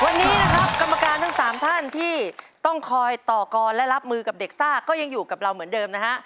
วันนี้นะครับกรรมการทั้ง๓ท่านที่ต้องคอยต่อกรและรับมือกับเด็กซ่าก็ยังอยู่กับเราเหมือนเดิมนะฮะ